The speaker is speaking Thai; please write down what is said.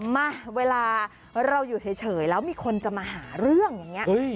มาเวลาเราอยู่เฉยแล้วมีคนจะมาหาเรื่องอย่างนี้